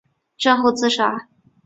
战后自杀。